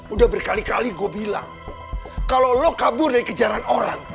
udah berkali kali gue bilang kalau lo kabur dari kejaran orang